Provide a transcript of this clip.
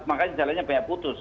makanya jalannya banyak putus